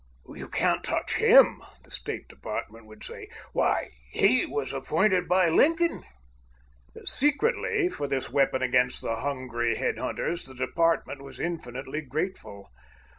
"You can't touch Him!" the State Department would say; "why, HE was appointed by Lincoln!" Secretly, for this weapon against the hungry headhunters, the department was infinitely grateful.